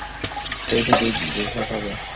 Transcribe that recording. সে শুধু দোসা খাবে।